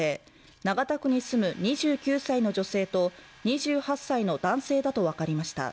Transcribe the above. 長田区に住む２９歳の女性と２８歳の男性だと分かりました